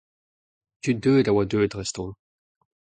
tud deuet a oa deuet dreist-holl.